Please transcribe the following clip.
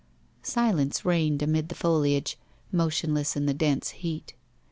Silence reigned amid the foliage, motionless in the dense heat.